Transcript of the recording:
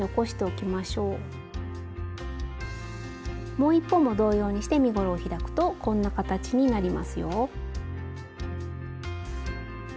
もう一方も同様にして身ごろを開くとこんな形になりますよ。